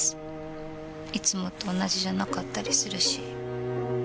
いつもと同じじゃなかったりするし。